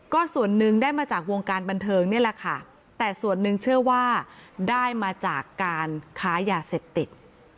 ก็ส่วนหนึ่งได้มาจากวงการบันเทิงนี่แหละค่ะแต่ส่วนหนึ่งเชื่อว่าได้มาจากการค้ายาเสพติด